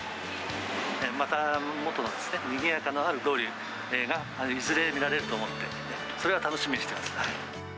また元のにぎやかさのある通りがいずれ見られると思って、それは楽しみにしてます。